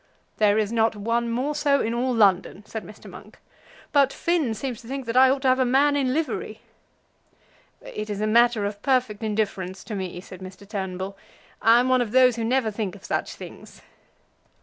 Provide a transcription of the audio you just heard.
"There is not one more so in all London," said Mr. Monk; "but Finn seems to think that I ought to have a man in livery." "It is a matter of perfect indifference to me," said Mr. Turnbull. "I am one of those who never think of such things."